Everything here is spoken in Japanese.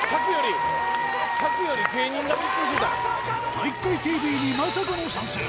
「体育会ＴＶ」にまさかの参戦